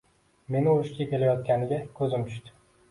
Meni urishga kelayotganiga koʻzim tushdi